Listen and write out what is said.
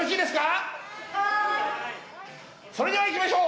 それではいきましょう！